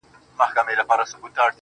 • نه ښېرا نه کوم هغه څومره نازک زړه لري.